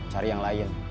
cari yang lain